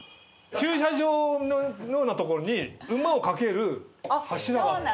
駐車場のようなところに馬を掛ける柱があって。